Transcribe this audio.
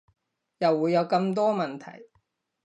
又會有咁多問題